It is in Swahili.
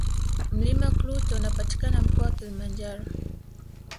mlima klute unapatikana mkoa wa kilimanjaro